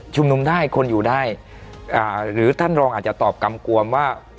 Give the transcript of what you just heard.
นุมได้คนอยู่ได้หรือท่านรองอาจจะตอบกำกวมว่า